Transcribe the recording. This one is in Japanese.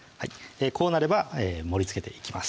こうなれば盛りつけていきます